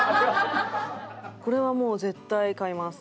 これはもう絶対買います。